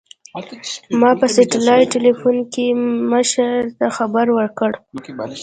ما په سټلايټ ټېلفون کښې مشر ته خبر وركړ.